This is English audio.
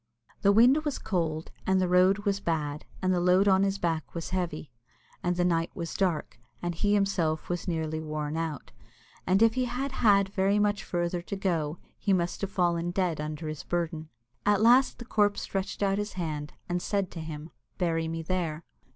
The wind was cold, and the road was bad, and the load upon his back was heavy, and the night was dark, and he himself was nearly worn out, and if he had had very much farther to go he must have fallen dead under his burden. At last the corpse stretched out its hand, and said to him, "Bury me there."